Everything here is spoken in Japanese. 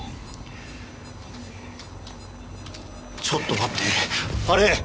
ちょっと待ってあれ！